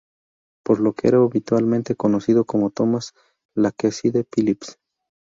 Por lo que era habitualmente conocido como Thomas "Lakeside" Phillips.